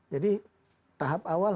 jadi tahap awal